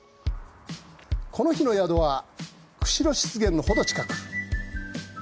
この日の宿は、釧路湿原のほど近く。